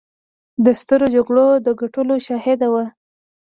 د سترو جګړو د ګټلو شاهده وه.